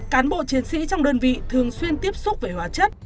cán bộ chiến sĩ trong đơn vị thường xuyên tiếp xúc về hóa chất